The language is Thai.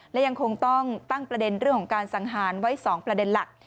และยังคงต้องตั้งประเด็นเรื่องของการสังหารไว้๒ประเด็นหลัก